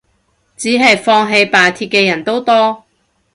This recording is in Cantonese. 只係放棄罷鐵嘅人都多